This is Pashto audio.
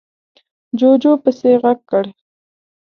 جُوجُو پسې غږ کړ: